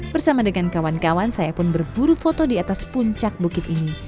bersama dengan kawan kawan saya pun berburu foto di atas puncak bukit ini